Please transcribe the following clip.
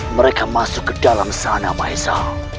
mereka masuk ke dalam sana maesa